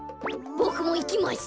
ボクもいきます。